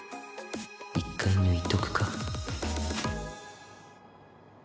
１回抜いとくか。